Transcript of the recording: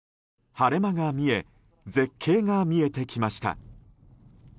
晴れ間が見え絶景が見えてきました。